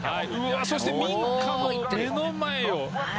そして民家の目の前を。